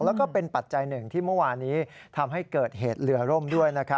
แล้วก็เป็นปัจจัยหนึ่งที่เมื่อวานี้ทำให้เกิดเหตุเรือร่มด้วย